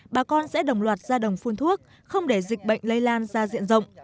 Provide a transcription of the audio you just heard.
bà con sẽ đồng loạt ra đồng phun thuốc không để dịch bệnh lây lan ra diện rộng